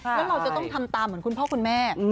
แล้วเราจะต้องทำตามเหมือนคุณพ่อคุณแม่